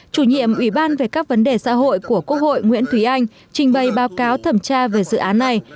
chủ nhiệm ủy ban về các vấn đề xã hội của quốc hội nguyễn thúy anh trình bày báo cáo thẩm tra về dự án này